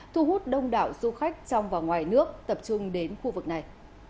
thu hút đông đảo du khách trong và ngoài nước tập trung đến khu vực này